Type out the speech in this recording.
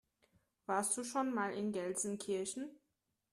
Warst du schon mal in Gelsenkirchen?